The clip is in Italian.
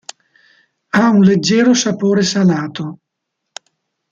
Ha un leggero sapore salato.